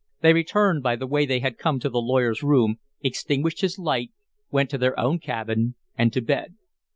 They returned by the way they had come to the lawyer's room, extinguished his light, went to their own cabin and to bed.